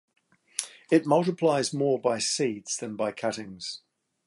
It multiplies more by seeds than by cuttings.